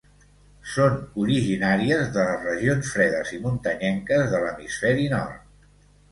Són originàries de les regions fredes i muntanyenques de l'hemisferi nord.